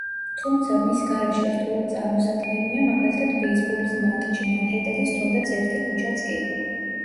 თუმცა, მის გარეშე რთულად წარმოსადგენია, მაგალითად, ბეისბოლის მატჩი, მანჰეტენის თუნდაც ერთი ქუჩაც კი.